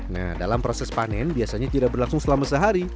nah dalam proses panen biasanya tidak berlangsung selama sehari